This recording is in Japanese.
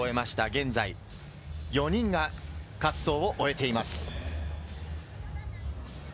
現在、４人が滑走を終えています。